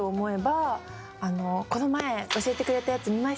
「この前教えてくれたやつ見ました」